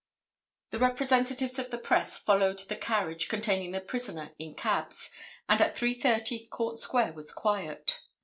The representatives of the press followed the carriage containing the prisoner in cabs, and at 3:30 Court Square was quiet.